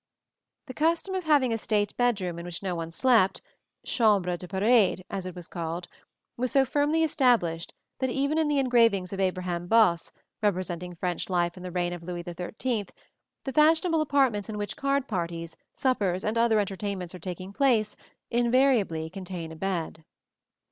] The custom of having a state bedroom in which no one slept (chambre de parade, as it was called) was so firmly established that even in the engravings of Abraham Bosse, representing French life in the reign of Louis XIII, the fashionable apartments in which card parties, suppers, and other entertainments are taking place, invariably contain a bed.